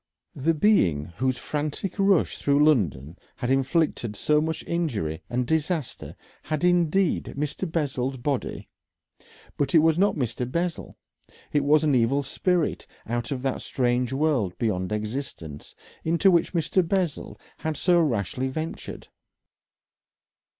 The being whose frantic rush through London had inflicted so much injury and disaster had indeed Mr. Bessel's body, but it was not Mr. Bessel. It was an evil spirit out of that strange world beyond existence, into which Mr. Bessel had so rashly ventured.